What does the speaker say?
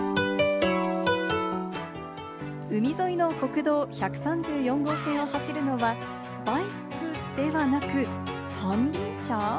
海沿いの国道１３４号線を走るのは、バイクではなく、三輪車？